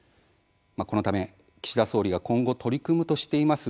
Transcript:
このため岸田総理が今後取り組むとしています